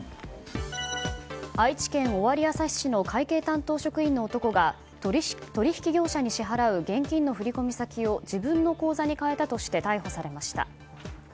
愛知県尾張旭市の会計担当職員の男が取引業者に支払う現金の振り込み先を自分の口座に変えたとして逮捕されました。